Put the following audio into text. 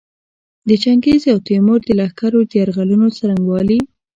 د چنګیز او تیمور د لښکرو د یرغلونو څرنګوالي.